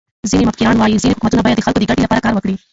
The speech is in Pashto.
ځيني مفکران وايي، چي حکومت باید د خلکو د ګټي له پاره کار وکړي.